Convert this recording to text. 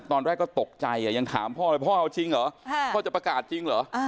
ตอนแรกก็ตกใจยังถามพ่อเลยพ่อเอาจริงเหรอพ่อจะประกาศจริงเหรอ